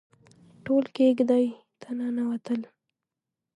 ټول کېږدۍ ته ننوتل.